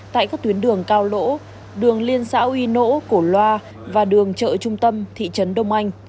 tại các tuyến đường cao lỗ đường liên xã uy nỗ cổ loa và đường chợ trung tâm thị trấn đông anh